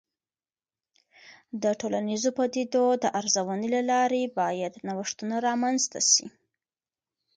د ټولنیزو پدیدو د ارزونې له لارې باید نوښتونه رامنځته سي.